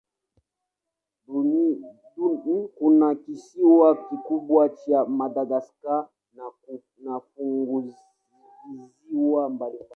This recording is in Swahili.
Kuna kisiwa kikubwa cha Madagaska na funguvisiwa mbalimbali.